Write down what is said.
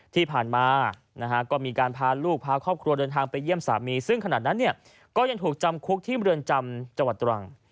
ที่ผ่านมาก็มีการพาลูกพาครอบครัวเดินทางไปเยี่ยมสามีซึ่งขณะนั้นก็ยังถูกจำคุกที่เมืองจำจังหวัดตรัง